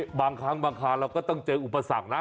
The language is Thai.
เอาอย่างนี้บางครั้งเราก็ต้องเจออุปสรรคนะ